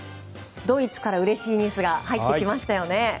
ドイツからうれしいニュースが入ってきましたよね。